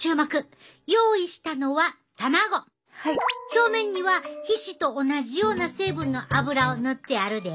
表面には皮脂と同じような成分の油を塗ってあるで。